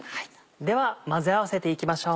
では混ぜ合わせていきましょう。